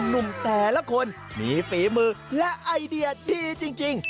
หนุ่มแต่ละคนมีฝีมือและไอเดียดีจริง